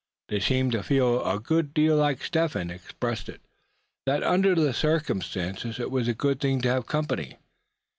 They seemed to feel a good deal like Step Hen expressed it, that under the circumstances it was a good thing to have company.